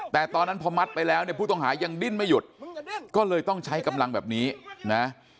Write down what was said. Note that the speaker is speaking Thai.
แต่ตอนนั้นพอมัดไปแล้วเนี่ยผู้ต้องหายังดิ้นไม่หยุดก็เลยต้องใช้กำลังแบบนี้นะ